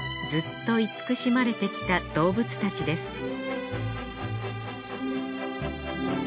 ずっと慈しまれてきた動物たちです